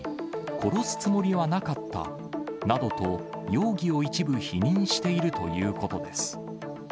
殺すつもりはなかったなどと、容疑を一部否認しているということです。